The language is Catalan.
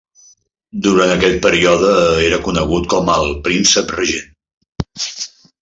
Durant aquest període, era conegut com al "Príncep Regent".